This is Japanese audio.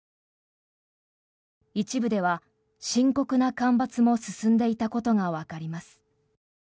一部では深刻な干ばつも進んでいたことがわかります。